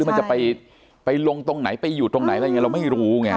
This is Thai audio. มันจะไปลงตรงไหนไปอยู่ตรงไหนอะไรอย่างนี้เราไม่รู้ไง